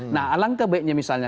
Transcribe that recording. nah alangkah baiknya misalnya